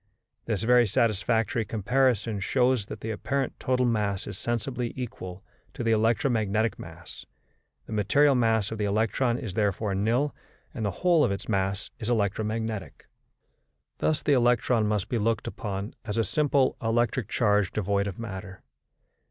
This very satisfactory comparison shows that the apparent total mass is sensibly equal to the electromagnetic mass; the material mass of the electron is therefore nil, and the whole of its mass is electromagnetic. Thus the electron must be looked upon as a simple electric charge devoid of matter.